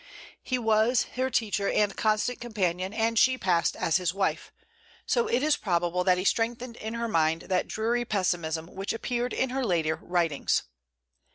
He was her teacher and constant companion, and she passed as his wife; so it is probable that he strengthened in her mind that dreary pessimism which appeared in her later writings.